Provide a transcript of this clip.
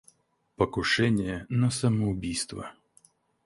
Покушение на самоубийство.